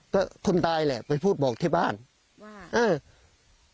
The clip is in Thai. ก็คนตายแหละปล่อยพูดบอกที่บ้าน